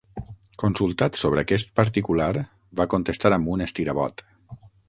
Consultat sobre aquest particular, va contestar amb un estirabot.